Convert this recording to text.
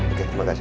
oke terima kasih